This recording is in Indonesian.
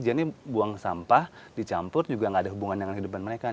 jadi buang sampah dicampur juga tidak ada hubungan dengan kehidupan mereka